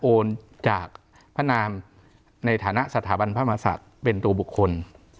โอนจากพระนามในฐานะสถาบันพระมศัตริย์เป็นตัวบุคคล